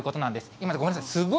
今、ごめんなさい。